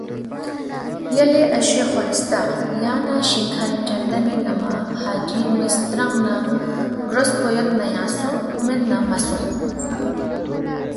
یلے اشے خورِستہ یانگ لہ شِنگ کھن چندنی نمہ حاجی ن٘وے سترانگ نہ گروس پو یود نہ یانگ سونگ مید نہ مہ سونگ